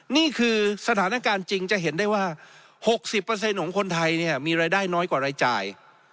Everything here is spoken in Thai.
นี่คือสถานการณ์จริงจะเห็นได้ว่า๖๐ของคนไทยเนี่ยมีรายได้น้อยกว่ารายจ่าย